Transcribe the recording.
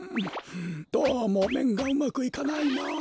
どうもめんがうまくいかないなあ。